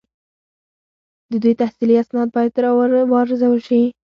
د دوی تحصیلي اسناد باید وارزول شي.